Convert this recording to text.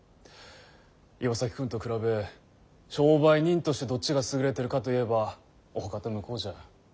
岩崎君と比べ商売人としてどっちが優れてるかといえばおおかた向こうじゃ。